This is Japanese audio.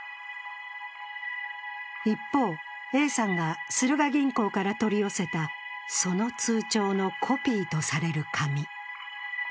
一方、Ａさんがスルガ銀行から取り寄せたその通帳のコピーとされる紙。